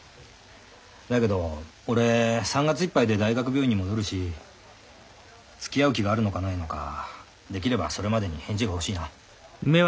だけど俺３月いっぱいで大学病院に戻るしつきあう気があるのかないのかできればそれまでに返事が欲しいな。